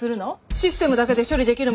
システムだけで処理できるものを。